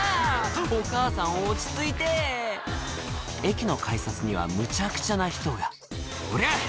お母さん落ち着いて駅の改札にはむちゃくちゃな人が「おりゃ！」